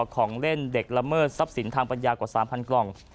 ของเล่นเด็กละเมิดทรัพย์สินทางปัญญากว่า๓๐๐กล่อง